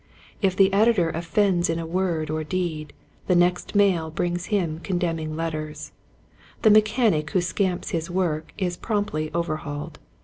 If the editor offends in word or deed, the next mail brings him condemn ing letters. The mechanic who scamps his work is promptly overhauled.